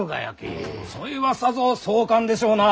そいはさぞ壮観でしょうな！